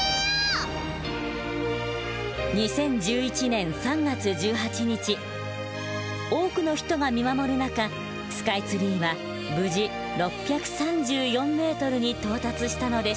２０１１年３月１８日多くの人が見守る中スカイツリーは無事６３４ｍに到達したのでした。